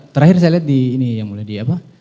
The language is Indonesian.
terakhir saya lihat di ini yang mulia di apa